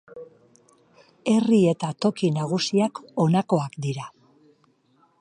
Herri eta toki nagusiak honakoak dira.